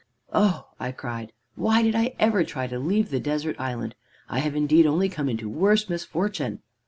"'Oh!' I cried, 'why did I ever try to leave the desert island? I have indeed only come into worse misfortune.'